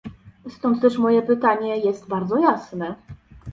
Stąd też moje pytanie jest bardzo jasne